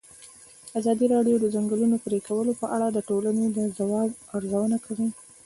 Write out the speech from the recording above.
ازادي راډیو د د ځنګلونو پرېکول په اړه د ټولنې د ځواب ارزونه کړې.